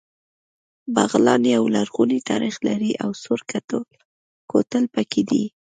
بغلان يو لرغونی تاریخ لري او سور کوتل پکې دی